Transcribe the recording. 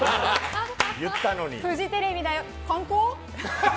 フジテレビだよ。